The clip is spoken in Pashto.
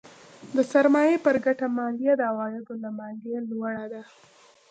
د سرمایې پر ګټه مالیه د عوایدو له مالیې لوړه ده.